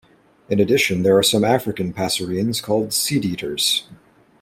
In addition, there are some African passerines called seedeaters.